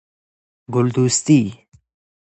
گل دوستی